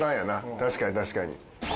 確かに確かに。